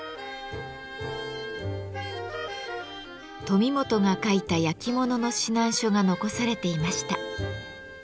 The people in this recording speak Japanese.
富本が書いた焼き物の指南書が残されていました。